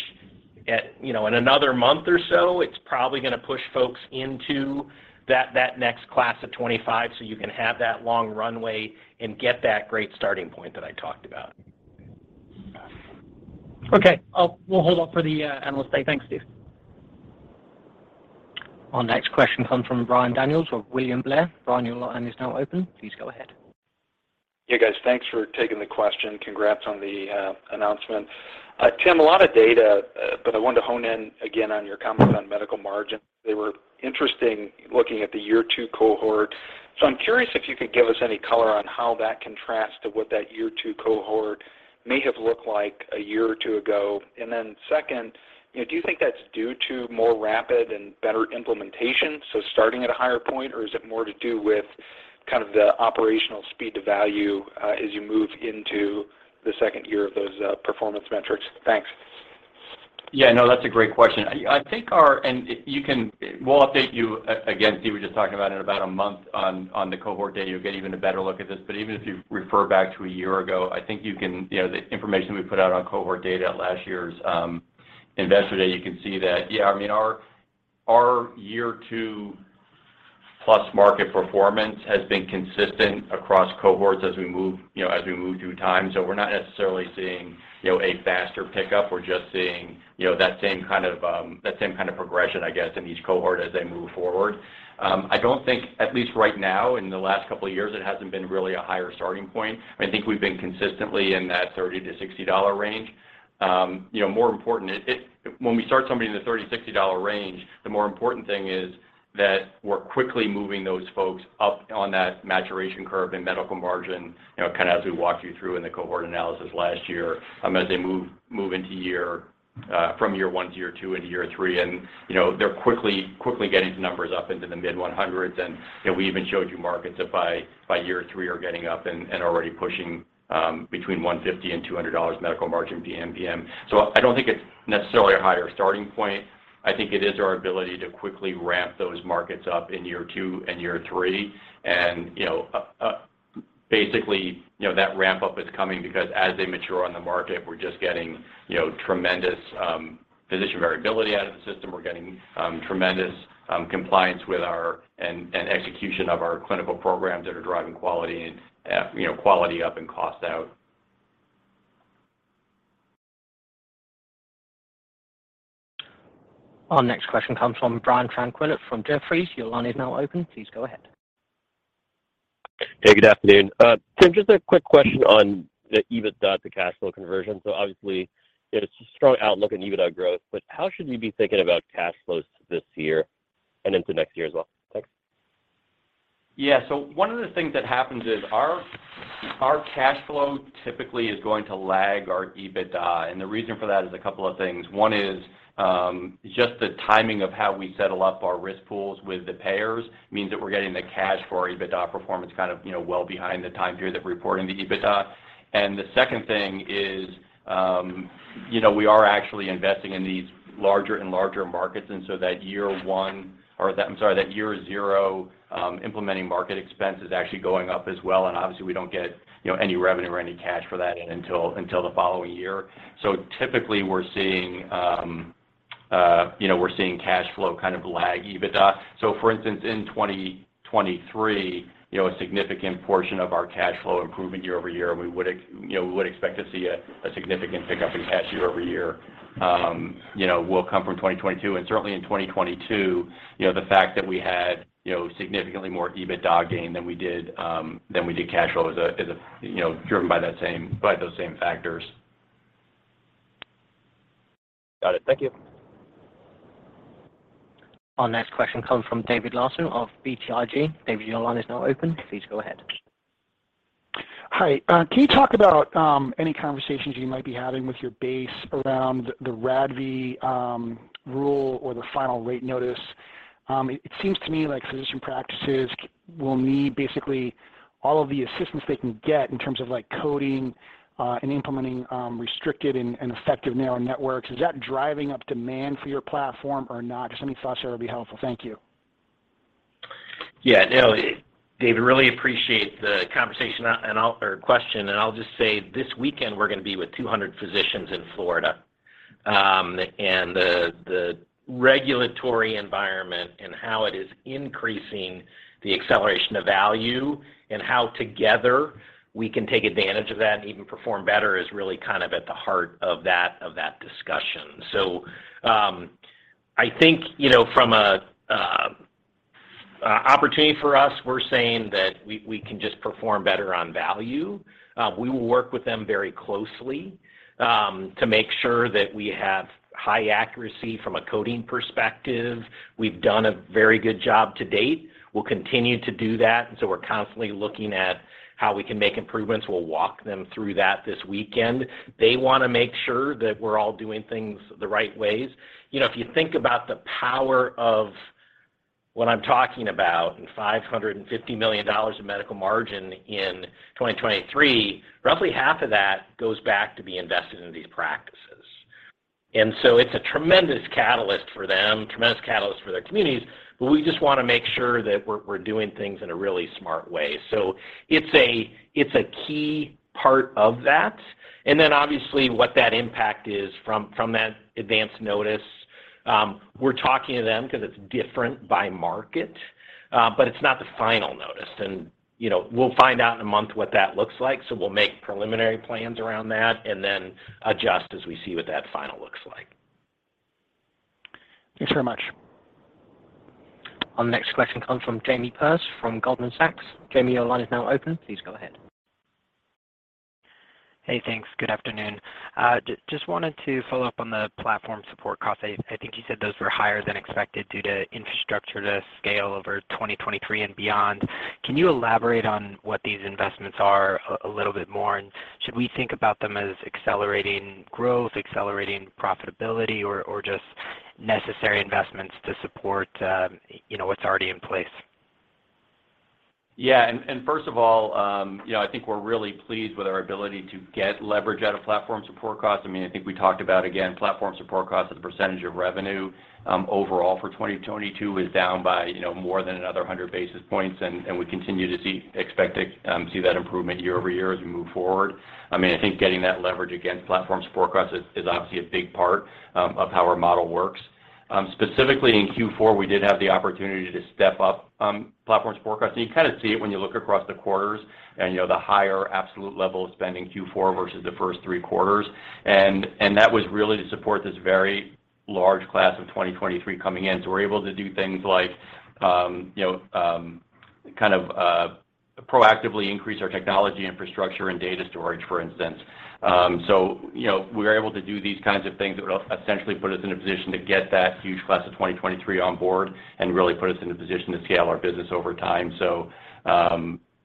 at, you know, in another month or so, it's probably gonna push folks into that next class of 2025, so you can have that long runway and get that great starting point that I talked about. Okay. we'll hold off for the Analyst Day. Thanks, Steve. Our next question comes from Ryan Daniels with William Blair. Ryan, your line is now open. Please go ahead. Yeah, guys. Thanks for taking the question. Congrats on the announcement. Tim, a lot of data, but I wanted to hone in again on your comments on medical margin. They were interesting looking at the year two cohort. I'm curious if you could give us any color on how that contrasts to what that year two cohort may have looked like a year or two ago. Second, you know, do you think that's due to more rapid and better implementation, so starting at a higher point? Or is it more to do with kind of the operational speed to value, as you move into the second year of those performance metrics? Thanks. Yeah. No, that's a great question. We'll update you again, Steve was just talking about it, in about one month on the cohort date, you'll get even a better look at this. Even if you refer back to one year ago, You know, the information we put out on cohort data at last year's Investor Day, you can see that, yeah, I mean, our year two plus market performance has been consistent across cohorts as we move, you know, as we move through time. We're not necessarily seeing, you know, a faster pickup. We're just seeing, you know, that same kind of progression, I guess, in each cohort as they move forward. I don't think, at least right now, in the last couple of years, it hasn't been really a higher starting point. I think we've been consistently in that $30-$60 range. You know, more important, when we start somebody in the $30-$60 range, the more important thing is that we're quickly moving those folks up on that maturation curve in medical margin, you know, kind of as we walked you through in the cohort analysis last year, as they move into year, from year one to year two into year three. You know, they're quickly getting numbers up into the mid-$100s. You know, we even showed you markets that by year three are getting up and already pushing, between $150-$200 medical margin PMPM. I don't think it's necessarily a higher starting point. I think it is our ability to quickly ramp those markets up in year two and year three. You know, basically, you know, that ramp-up is coming because as they mature on the market, we're just getting, you know, tremendous physician variability out of the system. We're getting tremendous compliance with our and execution of our clinical programs that are driving quality and, you know, quality up and cost out. Our next question comes from Brian Tanquilut from Jefferies. Your line is now open. Please go ahead. Hey, good afternoon. Tim, just a quick question on the EBITDA to cash flow conversion. Obviously, it's a strong outlook in EBITDA growth, but how should we be thinking about cash flows this year and into next year as well? Thanks. Yeah. One of the things that happens is our cash flow typically is going to lag our EBITDA. The reason for that is a couple of things. One is, just the timing of how we settle up our risk pools with the payers means that we're getting the cash for our EBITDA performance kind of, you know, well behind the time period that we're reporting the EBITDA. The second thing is, you know, we are actually investing in these larger and larger markets, so that year one or that year zero, implementing market expense is actually going up as well. Obviously we don't get, you know, any revenue or any cash for that until the following year. Typically we're seeing, you know, we're seeing cash flow kind of lag EBITDA. For instance, in 2023, you know, a significant portion of our cash flow improvement year over year, we would you know, we would expect to see a significant pickup in cash year over year, you know, will come from 2022. Certainly in 2022, you know, the fact that we had, you know, significantly more EBITDA gain than we did, than we did cash flow is a, you know, driven by that same, by those same factors. Got it. Thank you. Our next question comes from David Larsen of BTIG. David, your line is now open. Please go ahead. Hi. Can you talk about any conversations you might be having with your base around the RADV rule or the final rate notice? It seems to me like physician practices will need basically all of the assistance they can get in terms of, like, coding, and implementing restricted and effective narrow networks. Is that driving up demand for your platform or not? Just any thoughts there would be helpful. Thank you. Yeah. No, David, really appreciate the conversation or question, and I'll just say this weekend we're gonna be with 200 physicians in Florida. The regulatory environment and how it is increasing the acceleration of value and how together we can take advantage of that and even perform better is really kind of at the heart of that, of that discussion. I think, you know, from a opportunity for us, we're saying that we can just perform better on value. We will work with them very closely to make sure that we have high accuracy from a coding perspective. We've done a very good job to date. We'll continue to do that. We're constantly looking at how we can make improvements. We'll walk them through that this weekend. They wanna make sure that we're all doing things the right ways. You know, if you think about the power of what I'm talking about, $550 million of medical margin in 2023, roughly half of that goes back to be invested in these practices. It's a tremendous catalyst for them, tremendous catalyst for their communities, but we just wanna make sure that we're doing things in a really smart way. It's a key part of that. Obviously what that impact is from that Advance Notice, we're talking to them 'cause it's different by market, but it's not the final notice. You know, we'll find out in a month what that looks like, we'll make preliminary plans around that and then adjust as we see what that final looks like. Thanks very much. Our next question comes from Jamie Perse from Goldman Sachs. Jamie, your line is now open. Please go ahead. Hey, thanks. Good afternoon. Just wanted to follow up on the platform support costs. I think you said those were higher than expected due to infrastructure to scale over 2023 and beyond. Can you elaborate on what these investments are a little bit more? Should we think about them as accelerating growth, accelerating profitability or just necessary investments to support, you know, what's already in place? Yeah. First of all, you know, I think we're really pleased with our ability to get leverage out of platform support costs. I mean, I think we talked about, again, platform support costs as a percentage of revenue, overall for 2022 is down by, you know, more than another 100 basis points. We continue to expect to see that improvement year-over-year as we move forward. I mean, I think getting that leverage against platform support costs is obviously a big part of how our model works. Specifically in Q4, we did have the opportunity to step up platform support costs. You kind of see it when you look across the quarters and, you know, the higher absolute level of spending Q4 versus the first three quarters. That was really to support this very large class of 2023 coming in. We're able to do things like, you know, kind of proactively increase our technology infrastructure and data storage, for instance. You know, we're able to do these kinds of things that will essentially put us in a position to get that huge class of 2023 on board and really put us in a position to scale our business over time.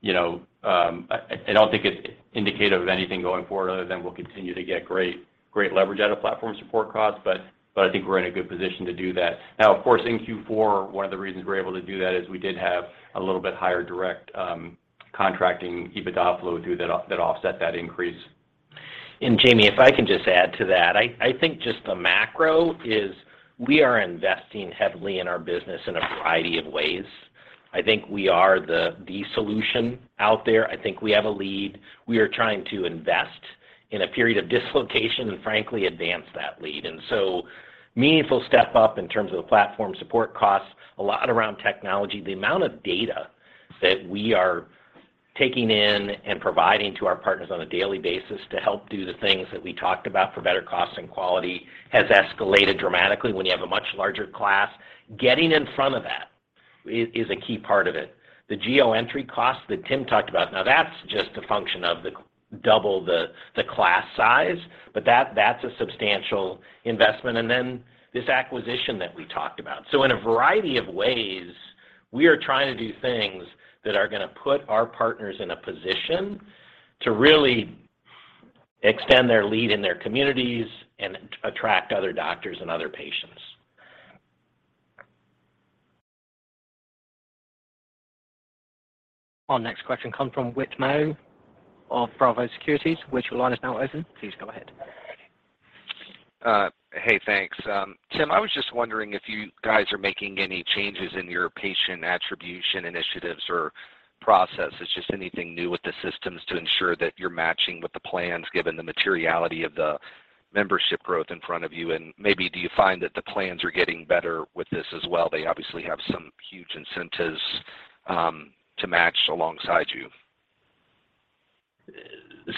You know, I don't think it's indicative of anything going forward other than we'll continue to get great leverage out of platform support costs, but I think we're in a good position to do that. Of course, in Q4, one of the reasons we're able to do that is we did have a little bit higher direct contracting EBITDA flow through that offset that increase. Jamie, if I can just add to that. I think just the macro is we are investing heavily in our business in a variety of ways. I think we are the solution out there. I think we have a lead. We are trying to invest in a period of dislocation and frankly advance that lead. So meaningful step up in terms of the platform support costs, a lot around technology. The amount of data that we are taking in and providing to our partners on a daily basis to help do the things that we talked about for better cost and quality has escalated dramatically when you have a much larger class. Getting in front of that is a key part of it. The geo entry costs that Tim talked about, now that's just a function of the double the class size, but that's a substantial investment. This acquisition that we talked about. In a variety of ways, we are gonna put our partners in a position to really extend their lead in their communities and attract other doctors and other patients. Our next question comes from Whit Mayo of Leerink Partners. Whit, your line is now open. Please go ahead. Hey, thanks. Tim, I was just wondering if you guys are making any changes in your patient attribution initiatives or processes. Just anything new with the systems to ensure that you're matching with the plans given the materiality of the membership growth in front of you. Maybe do you find that the plans are getting better with this as well? They obviously have some huge incentives to match alongside you.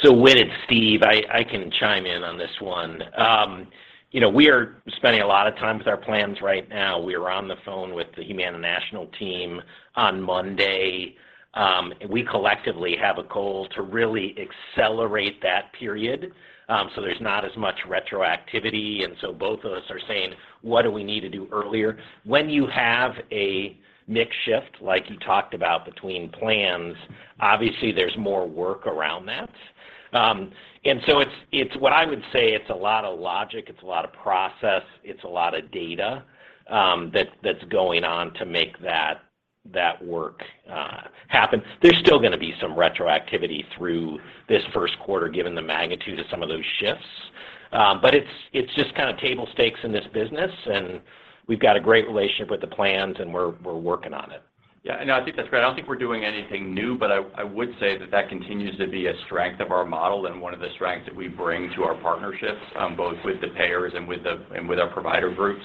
Whit, it's Steve. I can chime in on this one. You know, we are spending a lot of time with our plans right now. We are on the phone with the Humana national team on Monday. We collectively have a goal to really accelerate that period, so there's not as much retroactivity. Both of us are saying, "What do we need to do earlier?" When you have a mix shift, like you talked about between plans, obviously there's more work around that. It's what I would say it's a lot of logic, it's a lot of process, it's a lot of data, that's going on to make that work happen. There's still gonna be some retroactivity through this first quarter given the magnitude of some of those shifts. It's just kind of table stakes in this business, and we've got a great relationship with the plans and we're working on it. Yeah. No, I think that's great. I don't think we're doing anything new, but I would say that that continues to be a strength of our model and one of the strengths that we bring to our partnerships, both with the payers and with our provider groups.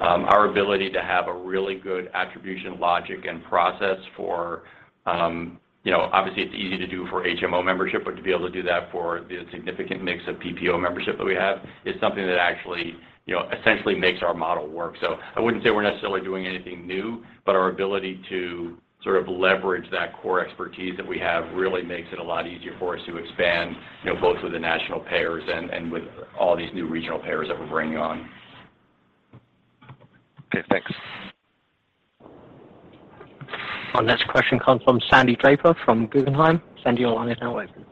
Our ability to have a really good attribution logic and process for, you know, obviously it's easy to do for HMO membership, but to be able to do that for the significant mix of PPO membership that we have is something that actually, you know, essentially makes our model work. I wouldn't say we're necessarily doing anything new, but our ability to sort of leverage that core expertise that we have really makes it a lot easier for us to expand, you know, both with the national payers and with all these new regional payers that we're bringing on. Okay, thanks. Our next question comes from Sandy Draper from Guggenheim. Sandy, your line is now open.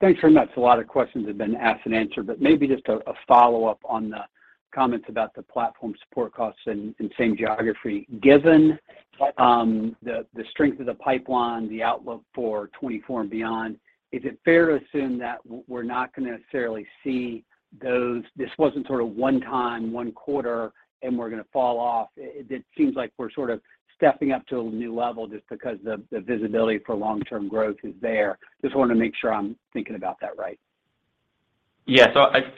Thanks very much. A lot of questions have been asked and answered, but maybe just a follow-up on the comments about the platform support costs in same geography. Given the strength of the pipeline, the outlook for 2024 and beyond, is it fair to assume that we're not gonna necessarily see those... This wasn't sort of one time, one quarter, and we're gonna fall off. It seems like we're sort of stepping up to a new level just because the visibility for long-term growth is there. Just wanted to make sure I'm thinking about that right? Yeah.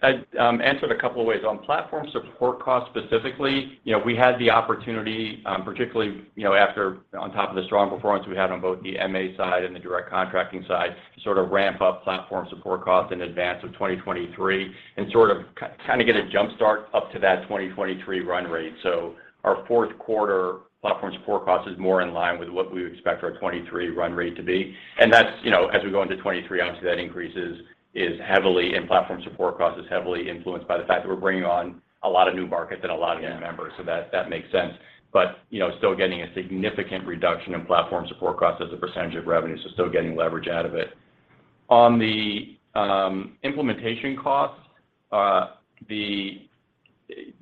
I, answered a couple ways. On platform support costs specifically, you know, we had the opportunity, particularly, you know, after, on top of the strong performance we had on both the MA side and the direct contracting side to sort of ramp up platform support costs in advance of 2023 and sort of kinda get a jump start up to that 2023 run rate. Our fourth quarter platform support cost is more in line with what we would expect our 2023 run rate to be. That's, you know, as we go into 2023, obviously, that increase is heavily, and platform support cost is heavily influenced by the fact that we're bringing on a lot of new markets and a lot of new members. That makes sense. You know, still getting a significant reduction in platform support costs as a percentage of revenue, so still getting leverage out of it. On the implementation costs,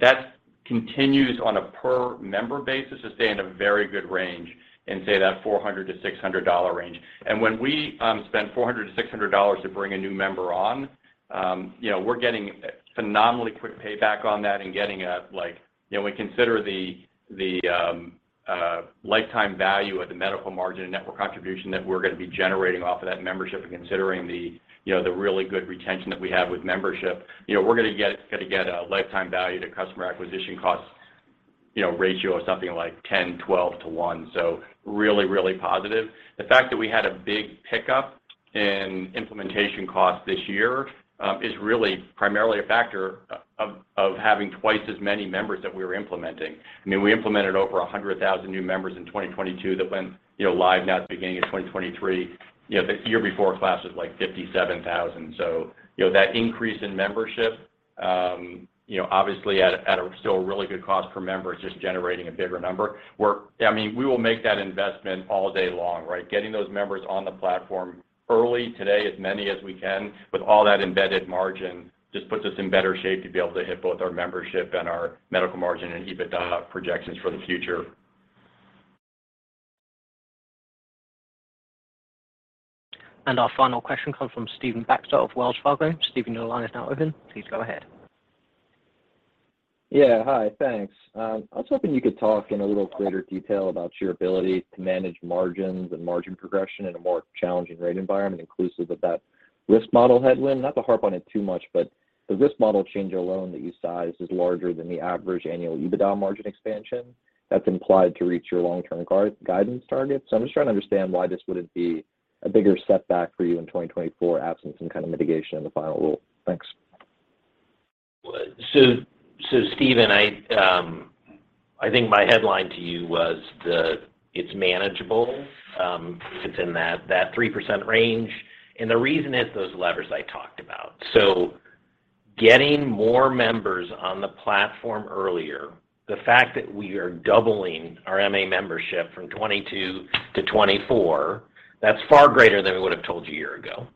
that continues on a per member basis to stay in a very good range, in say that $400-$600 range. When we spend $400-$600 to bring a new member on, you know, we're getting phenomenally quick payback on that and getting a like. You know, we consider the lifetime value of the medical margin and network contribution that we're gonna be generating off of that membership and considering the, you know, the really good retention that we have with membership. You know, we're gonna get a lifetime value to customer acquisition cost, you know, ratio of something like 10-12 to 1. Really, really positive. The fact that we had a big pickup in implementation costs this year is really primarily a factor of having twice as many members that we were implementing. I mean, we implemented over 100,000 new members in 2022 that went, you know, live now at the beginning of 2023. You know, the year before class was, like, 57,000. You know, that increase in membership, you know, obviously at a, at a still really good cost per member, it's just generating a bigger number. I mean, we will make that investment all day long, right? Getting those members on the platform early today, as many as we can, with all that embedded margin just puts us in better shape to be able to hit both our membership and our medical margin and EBITDA projections for the future. Our final question comes from Stephen Baxter of Wells Fargo. Stephen, your line is now open. Please go ahead. Hi, thanks. I was hoping you could talk in a little greater detail about your ability to manage margins and margin progression in a more challenging rate environment, inclusive of that risk model headwind. Not to harp on it too much, the risk model change alone that you sized is larger than the average annual EBITDA margin expansion that's implied to reach your long-term guidance target. I'm just trying to understand why this wouldn't be a bigger setback for you in 2024, absent some kind of mitigation in the final rule. Thanks. Stephen, I think my headline to you was that it's manageable, if it's in that 3% range, and the reason is those levers I talked about. Getting more members on the platform earlier, the fact that we are doubling our MA membership from 2022 to 2024, that's far greater than we would've told you a year ago.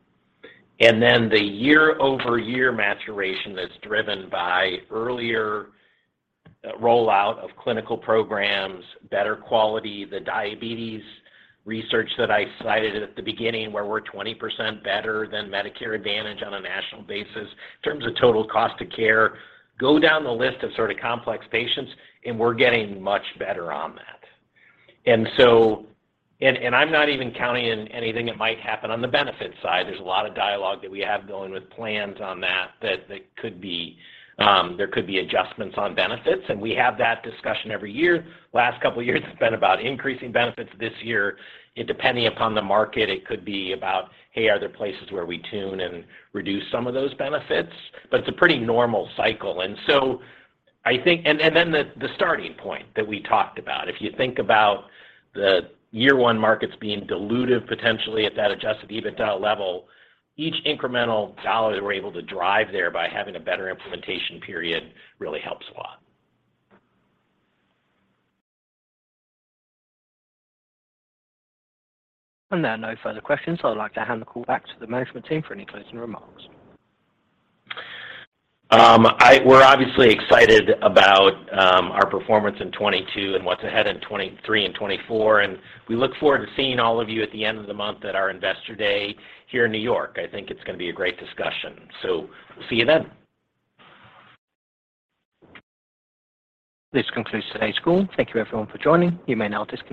The year-over-year maturation that's driven by earlier rollout of clinical programs, better quality, the diabetes research that I cited at the beginning, where we're 20% better than Medicare Advantage on a national basis in terms of total cost of care, go down the list of sort of complex patients, and we're getting much better on that. I'm not even counting in anything that might happen on the benefit side. There's a lot of dialogue that we have going with plans on that they could be, there could be adjustments on benefits, and we have that discussion every year. Last couple of years it's been about increasing benefits. This year, depending upon the market, it could be about, hey, are there places where we tune and reduce some of those benefits? It's a pretty normal cycle. I think. The starting point that we talked about. If you think about the year one markets being dilutive potentially at that Adjusted EBITDA level, each incremental dollar that we're able to drive there by having a better implementation period really helps a lot. There are no further questions, so I'd like to hand the call back to the management team for any closing remarks. We're obviously excited about our performance in 2022 and what's ahead in 2023 and 2024. We look forward to seeing all of you at the end of the month at our Investor Day here in New York. I think it's gonna be a great discussion. We'll see you then. This concludes today's call. Thank you everyone for joining. You may now disconnect.